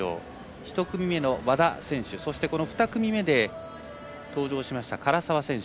１組目の和田選手２組目で登場した唐澤選手。